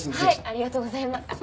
ありがとうございます。